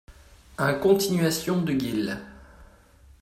un Continuation de Guill.